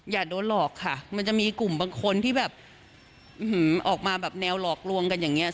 อย่าทำเลยเนาะ